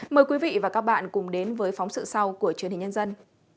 mời quý vị và các bạn cùng đến với phóng sự sau của truyền hình nhân dân